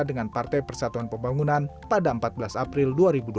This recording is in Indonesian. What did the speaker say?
dengan partai persatuan pembangunan pada empat belas april dua ribu dua puluh